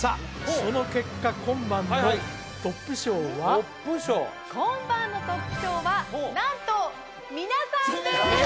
その結果今晩のトップ賞はトップ賞今晩のトップ賞はなんと皆さんです！